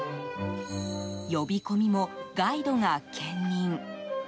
呼び込みもガイドが兼任。